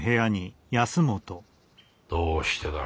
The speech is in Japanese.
どうしてだ？